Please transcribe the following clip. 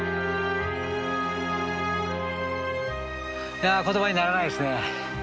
いや言葉にならないですね。